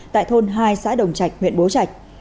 tại thôn hai xã đồng trạch huyện bố trạch